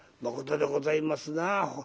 「まことでございますな。